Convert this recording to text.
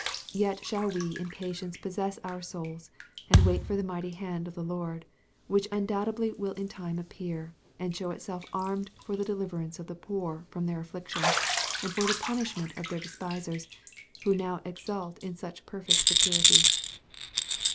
Yet shall we in patience possess our souls, and wait for the mighty hand of the Lord, which undoubtedly will in time appear, and show itself armed for the deliverance of the poor from their affliction, and for the punishment of their despisers, who now exult in such perfect security.